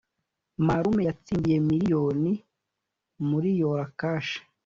Marume yatsindiye million muri yora cash